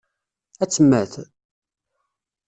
Ad temmet?